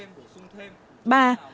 ba không giấu dịch